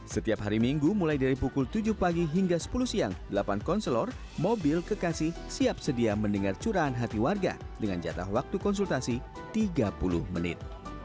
setiap hari minggu mulai dari pukul tujuh pagi hingga sepuluh siang delapan konselor mobil kekasih siap sedia mendengar curahan hati warga dengan jatah waktu konsultasi tiga puluh menit